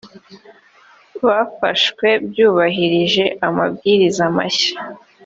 byafashwe byubahirije amabwiriza mashya